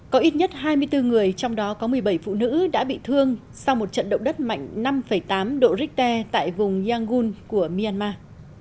có ít nhất hai mươi bốn người trong đó có một mươi bảy phụ nữ đã bị thương sau một trận động đất mạnh năm tám độ richter tại vùng yangun của myanmar